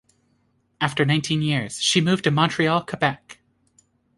After nineteen years, she moved to Montreal, Quebec.